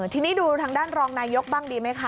ทีนี้ดูทางด้านรองนายกบ้างดีไหมคะ